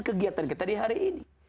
kegiatan kita di hari ini